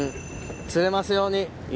釣れますように！